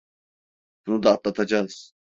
Bunu da atlatacağız.